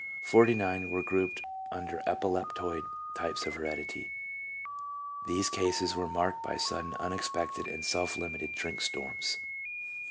Forty nine were grouped under epileptoid types of heredity. " These cases were marked by sudden, unexpected, and self limited drink storms."